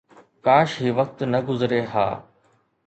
ڪاش هي وقت نه گذري ها.